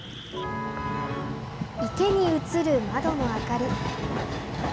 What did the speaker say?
池にうつる窓の明かり。